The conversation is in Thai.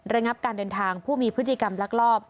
ระงับการเดินทางผู้มีพฤติกรรมลักลอบ